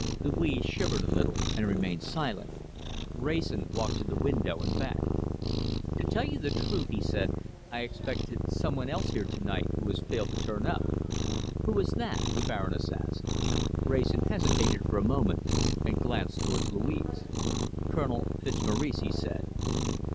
Louise shivered a little and remained silent. Wrayson walked to the window and back. "To tell you the truth," he said, "I expected some one else here to night who has failed to turn up." "Who is that?" the Baroness asked. Wrayson hesitated for a moment and glanced towards Louise. "Colonel Fitzmaurice," he said.